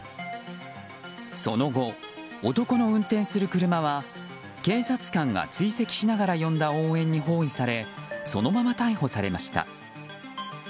その後、男の運転する車は警察官が追跡しながら呼んだ応援に包囲されそのまま逮捕されました。